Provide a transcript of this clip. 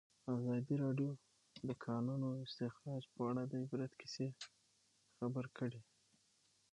ازادي راډیو د د کانونو استخراج په اړه د عبرت کیسې خبر کړي.